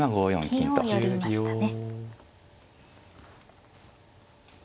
金を寄りましたね。